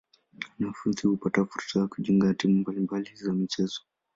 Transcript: Wanafunzi hupata fursa ya kujiunga na timu mbali mbali za michezo.